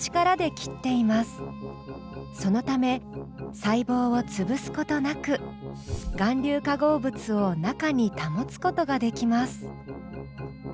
そのため細胞を潰すことなく含硫化合物を中に保つことができます。